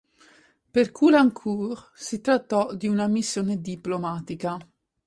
Per Caulaincourt si trattò di una missione "diplomatica".